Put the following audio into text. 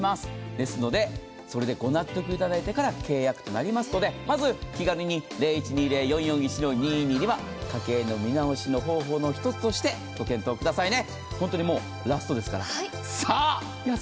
ですので、ご納得いただいてから契約となりますので、まず、気軽に、家計の見直しの方法の一つとしてご検討くださいね。